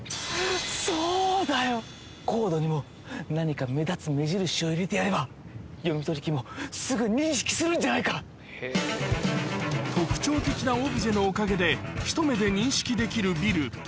そうだよ、コードにも何か目立つ目印を入れてやれば、読み取り機も、すぐ認特徴的なオブジェのおかげで、一目で認識できるビル。